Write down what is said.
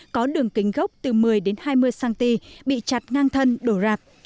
có đường kính gốc từ một mươi đến hai mươi cm bị chặt ngang thân đổ rạp